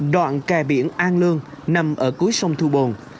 đoạn kè biển an lương nằm ở cuối sông thu bồn